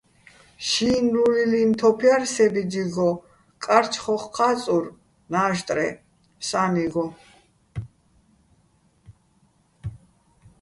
შინლულილიჼ თოფ ჲარ სე ბიძიგო, კარჩხოხ ჴა́წურ ნაჟტრე სა́ნიგო.